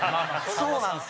そうなんですよ。